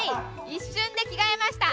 一瞬で着替えました！